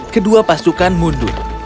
kedua pasukan mundur